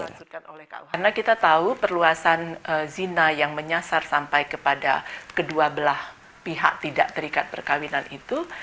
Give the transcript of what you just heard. karena kita tahu perluasan zina yang menyasar sampai kepada kedua belah pihak tidak terikat perkawinan itu